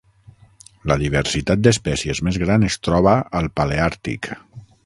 La diversitat d'espècies més gran es troba al paleàrtic.